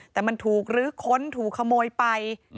แต่มันถูกลื้อค้นถูกขโมยไป